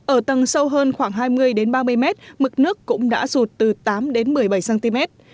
ở tầng sâu hơn khoảng hai mươi ba mươi mét mực nước cũng đã rụt từ tám đến một mươi bảy cm